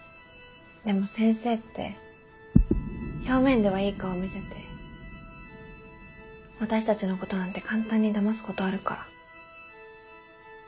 でも「先生」って表面ではいい顔見せて私たちのことなんて簡単にだますことあるから。